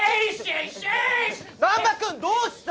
難破君どうした！？